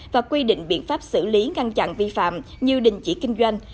và quy định biện pháp xử lý ngăn chặn vi phạm như đình chỉ kinh doanh